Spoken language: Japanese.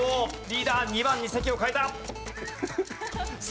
リーダー２番に席を変えた。